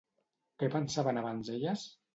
Què pensaven abans elles?